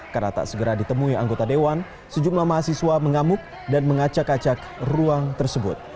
karena tak segera ditemui anggota dewan sejumlah mahasiswa mengamuk dan mengacak acak ruang tersebut